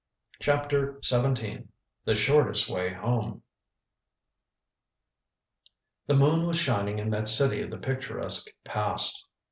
CHAPTER XVII THE SHORTEST WAY HOME The moon was shining in that city of the picturesque past.